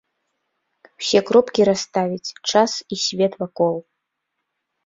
Усе кропкі расставіць час і свет вакол.